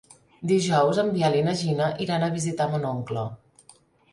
Dijous en Biel i na Gina iran a visitar mon oncle.